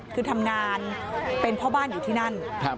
คือทำงานเป็นพ่อบ้านอยู่ที่นั่น